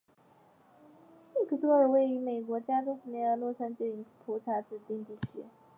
利特尔罗克是位于美国加利福尼亚州洛杉矶县的一个人口普查指定地区。